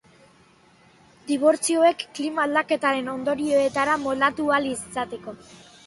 Dibortzioek klima aldaketaren ondorioetara moldatu ahal izateko.